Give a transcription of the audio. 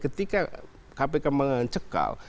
ketika kpk mencekal